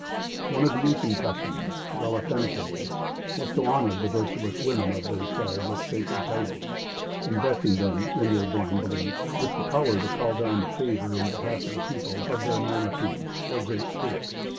One of their ancient customs, well authenticated, was to honor the virtuous women of their tribe with sacred titles, investing them, in their blind belief, with power to call down the favor, in behalf of the people, of their Manitou, or Great Spirit.